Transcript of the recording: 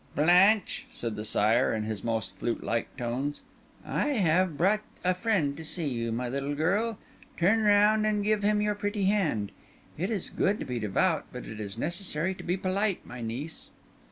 "Blanche," said the Sire, in his most flute like tones, "I have brought a friend to see you, my little girl; turn round and give him your pretty hand. It is good to be devout; but it is necessary to be polite, my niece."